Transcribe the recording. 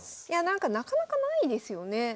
いやなんかなかなかないですよね。